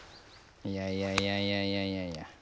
いやいやいやいやいやいや。